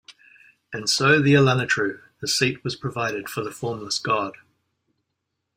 And so the Elunetru, the seat was provided for the Formless God.